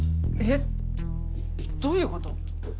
えっどういうこと？